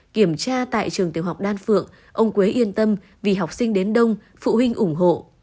kiểm tra tại trường tiểu học đan phượng ông quế yên tâm vì học sinh đến đông phụ huynh ủng hộ